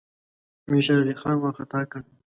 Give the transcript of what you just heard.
امیر شېرعلي خان وارخطا کړ.